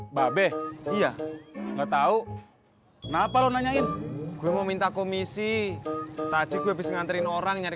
mbak beh iya enggak tahu kenapa lo nanyain gue mau minta komisi tadi gue habis nganterin orang nyari